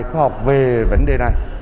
khoa học về vấn đề này